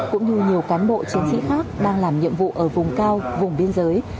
cũng như nhiều cán bộ chiến sĩ khác đang làm nhiệm vụ ở vùng cao vùng biên giới